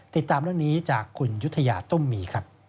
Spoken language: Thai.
ติดตามล่างนี้จากคุณยุทญาต้มมี